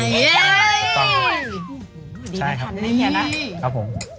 ดีจ่ะทั้งด้ายดี